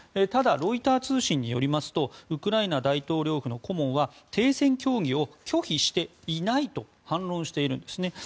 ただ、ロイター通信によりますとウクライナ大統領府の顧問は停戦協議を拒否していないと反論しているんですね。